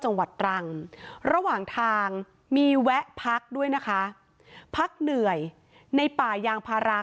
จังหวัดตรังระหว่างทางมีแวะพักด้วยนะคะพักเหนื่อยในป่ายางพารา